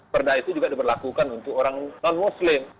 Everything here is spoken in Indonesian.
perda itu juga diberlakukan untuk orang non muslim